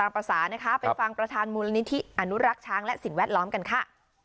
ประสานนะคะไปฟังประธานมูลนิธิอนุรักษ์ช้างและสิ่งแวดล้อมกันค่ะ